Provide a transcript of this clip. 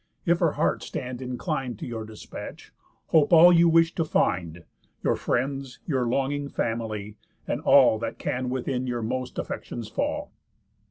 If her heart stand inclin'd To your dispatch, hope all you wish to find, Your friends, your longing family, and all That can within your most affections fall."